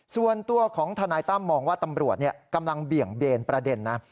ส่วนตัวของทนายตั้มมองว่าตำรวจกำลังเบี่ยงเบนประเด็นนะ